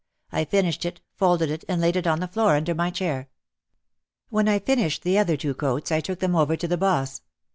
I finished it, folded it and laid it on the floor under my chair. When I finished the other two coats I took them over to the boss.